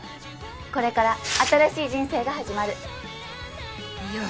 これから新しい人生が始まるよ